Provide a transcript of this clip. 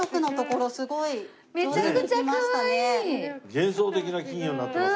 幻想的な金魚になってますね。